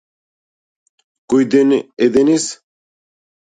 Кој ден е денес?